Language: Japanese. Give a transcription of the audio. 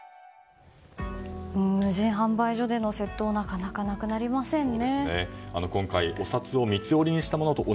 無人販売所での窃盗なかなかなくなりませんね。